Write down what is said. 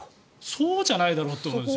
そうじゃないだろうと思うんですよね。